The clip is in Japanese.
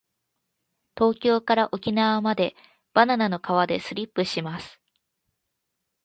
東京から沖縄までバナナの皮でスリップします。